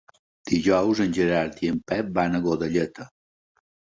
Dijous en Gerard i en Pep van a Godelleta.